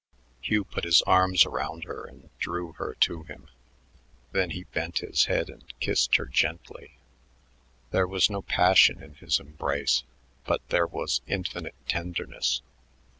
Hugh put his arms around her and drew her to him. Then he bent his head and kissed her gently. There was no passion in his embrace, but there was infinite tenderness.